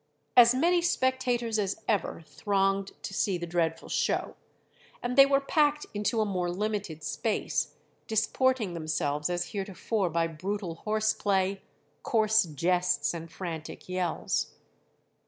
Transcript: As many spectators as ever thronged to see the dreadful show, and they were packed into a more limited space, disporting themselves as heretofore by brutal horse play, coarse jests, and frantic yells.